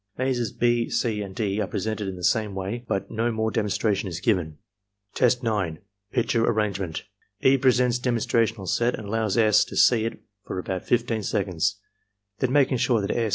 Mazes (6), (c), and (d) are presented in the same way, but no more demonstration is given. Test 9. — ^Picture Arrangement E. presents demonstrational set and allows S. to see it for about 15 seconds. Then, making sure that S.